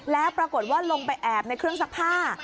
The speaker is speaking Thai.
แล้วปรากฏว่าลงไปแอบในเครื่องซักผ้า